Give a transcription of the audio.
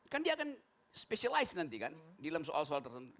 kan dia akan specialize nanti kan di dalam soal soal tertentu